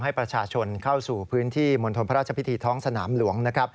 ให้ประชาชนเข้าสู่พื้นที่มณฑลพระราชพิธีท้องสนามหลวงนะครับ